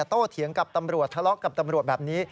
เถียงกับตำรวจทะเลาะกับตำรวจแบบนี้